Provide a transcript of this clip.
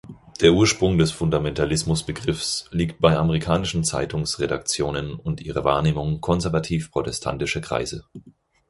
Der Ursprung des Fundamentalismus-Begriffes liegt bei amerikanischen Zeitungsredaktionen und ihrer Wahrnehmung konservativ-protestantischer Kreise.